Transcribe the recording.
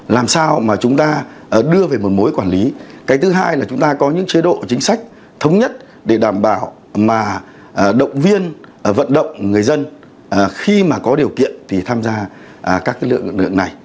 làm sao mà chúng ta đưa về một mối quản lý cái thứ hai là chúng ta có những chế độ chính sách thống nhất để đảm bảo mà động viên vận động người dân khi mà có điều kiện thì tham gia các lực lượng này